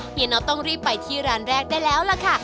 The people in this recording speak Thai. น็อตต้องรีบไปที่ร้านแรกได้แล้วล่ะค่ะ